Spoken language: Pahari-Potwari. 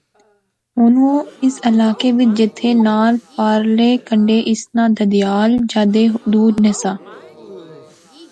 ہن او اس علاقہ وچ جتھیں ناں پارلے کنڈے اس ناں دادھیال جادے دور نہسا